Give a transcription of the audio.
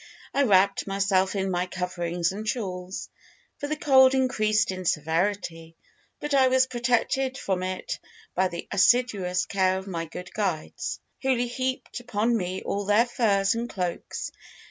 I wrapped myself in my coverings and shawls, for the cold increased in severity, but I was protected from it by the assiduous care of my good guides, who heaped upon me all their furs and cloaks.